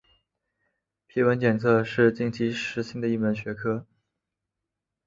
皮纹检测是近期时兴的一门学科。